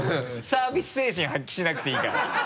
サービス精神発揮しなくていいから。